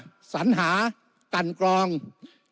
วุฒิสภาจะเขียนไว้ในข้อที่๓๐